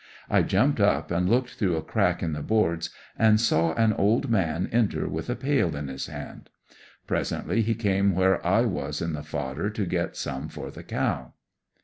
I jumped up and looked through a crack in the boards and saw an old man enter with a pail in his hand. Presently he came where I was in the fodder to get some for the cow.